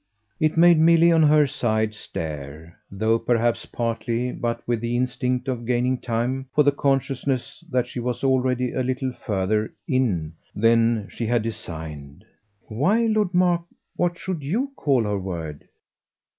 It made Milly, on her side, stare though perhaps partly but with the instinct of gaining time for the consciousness that she was already a little further "in" than she had designed. "Why, Lord Mark, what should YOU call her word?"